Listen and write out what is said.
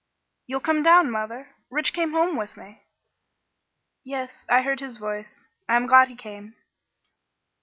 "You'll come down, mother? Rich came home with me." "Yes, I heard his voice. I am glad he came."